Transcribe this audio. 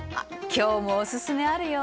今日もおすすめあるよ。